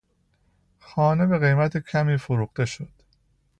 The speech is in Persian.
خانه به قیمت کمی فروخته شد.